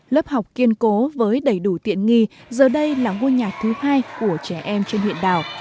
lớp học kiên cố với đầy đủ tiện nghi giờ đây là ngôi nhà thứ hai của trẻ em trên huyện đảo